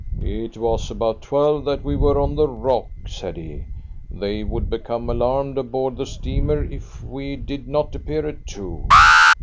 "It was about twelve that we were on the rock," said he. "They would become alarmed aboard the steamer if we did not appear at two."